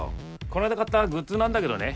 こないだ買ったグッズなんだけどね